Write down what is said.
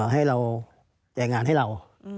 ให้เราแจกงานให้เรา